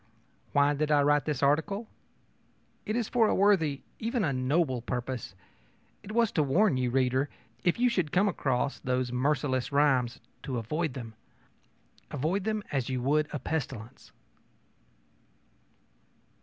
Why did I write this article? It was for a worthy, even a noble, purpose. It was to warn you, reader, if you should came across those merciless rhymes, to avoid them avoid them as you would a pestilence!